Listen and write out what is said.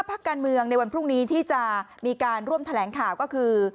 พักการเมืองในวันพรุ่งนี้ที่จะมีการร่วมแถลงข่าวก็คือ